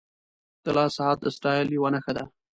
• د لاس ساعت د سټایل یوه نښه ده.